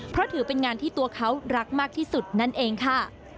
เพราะถือเป็นงานที่ตัวเขารักมากที่สุดนั่นเองค่ะ